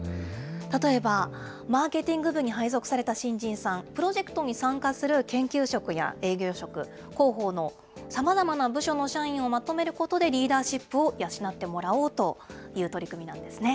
例えば、マーケティング部に配属された新人さん、プロジェクトに参加する研究職や営業職、広報のさまざまな部署の社員をまとめることで、リーダーシップを養ってもらおうという取り組みなんですね。